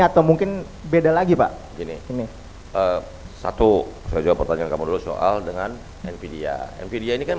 atau mungkin beda lagi pak gini ini satu sejauh pertanyaan kamu soal dengan nvidia nvidia ini kan